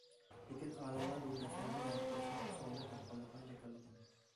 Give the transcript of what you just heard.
لېكىن ئالىملار بۇ مەسىلىنى ھەل قىلىشنىڭ ئۇسۇلىنى تاپقانلىقىنى جاكارلىغان.